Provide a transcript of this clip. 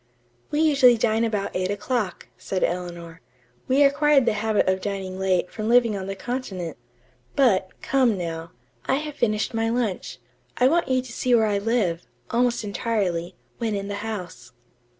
"We usually dine about eight o'clock," said Eleanor. "We acquired the habit of dining late from living on the continent. But, come, now. I have finished my lunch. I want you to see where I live, almost entirely, when in the house."